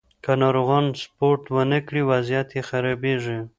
که ناروغان سپورت ونه کړي، وضعیت یې خرابېږي.